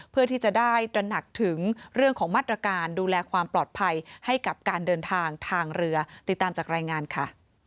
เพื่อที่จะได้ตระหนักถึงเรื่องของมาตรการดูแลความปลอดภัยให้กับการเดินทางทางเรือติดตามจากรายงานค่ะ